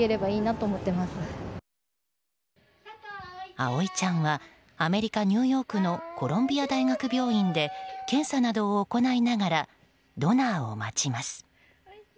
葵ちゃんはアメリカ・ニューヨークのコロンビア大学病院で検査などを行いながらドナーを待ちます。